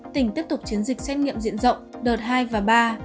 tỉnh tiếp tục chiến dịch xét nghiệm diện rộng đợt hai và ba